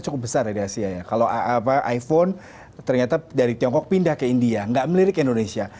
cukup besar dari asia kalau apa iphone ternyata dari tiongkok pindah ke india nggak melirik indonesia